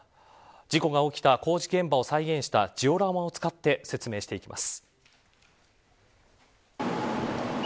事故が起きた工事現場を再現したジオラマを使って説明していきます。